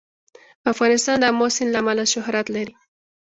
افغانستان د آمو سیند له امله شهرت لري.